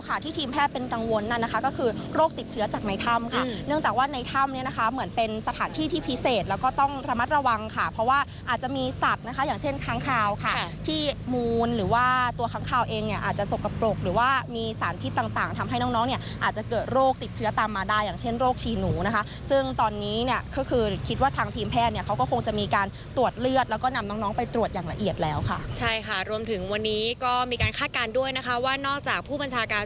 ถ้าตัวค้ำคาวเองเนี่ยอาจจะสกปรกหรือว่ามีสารพิษต่างทำให้น้องเนี่ยอาจจะเกิดโรคติดเชื้อตามมาได้อย่างเช่นโรคชีหนูนะคะซึ่งตอนนี้เนี่ยคือคือคิดว่าทางทีมแพทย์เนี่ยเขาก็คงจะมีการตรวจเลือดแล้วก็นำน้องไปตรวจอย่างละเอียดแล้วค่ะใช่ค่ะรวมถึงวันนี้ก็มีการคาดการณ์ด้วยนะคะว่านอกจากผู้